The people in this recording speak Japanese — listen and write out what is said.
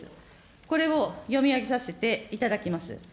これを読み上げさせていただきます。